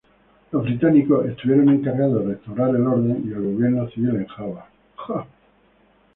Los británicos estuvieron encargados de restaurar el orden y el gobierno civil en Java.